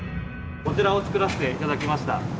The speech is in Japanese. こちらを作らせて頂きました。